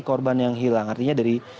korban yang hilang artinya dari